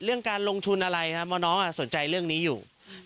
การลงทุนอะไรครับเพราะน้องสนใจเรื่องนี้อยู่